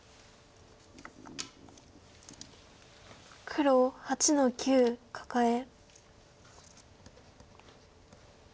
黒８の九カカエ。